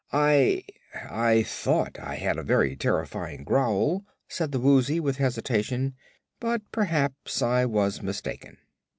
"I I thought I had a very terrifying growl," said the Woozy, with hesitation; "but perhaps I was mistaken."